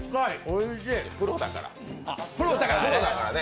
プロだからね。